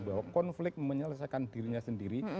bahwa konflik menyelesaikan dirinya sendiri